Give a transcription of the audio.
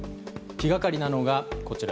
気がかりなのがこちら。